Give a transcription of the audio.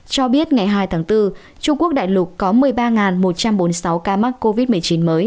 cho biết ngày hai tháng bốn trung quốc đại lục có một mươi ba một trăm bốn mươi sáu ca mắc covid một mươi chín mới